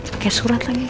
pake surat lagi